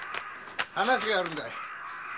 話があるんだよ！